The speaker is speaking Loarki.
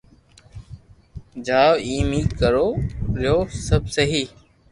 چلو ايم اي ڪرتو رھيو سب سھي